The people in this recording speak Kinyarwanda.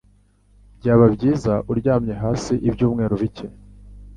Byaba byiza uryamye hasi ibyumweru bike.